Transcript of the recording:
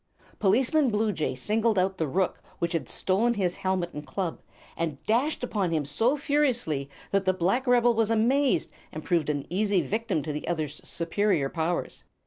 Policeman Bluejay singled out the rook which had stolen his helmet and club, and dashed upon him so furiously that the black rebel was amazed, and proved an easy victim to the other's superior powers.